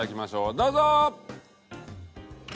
どうぞ！